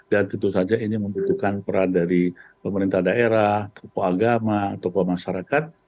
tentu saja ini membutuhkan peran dari pemerintah daerah tokoh agama tokoh masyarakat